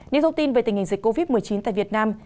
những thông tin về tình hình dịch covid một mươi chín tại việt nam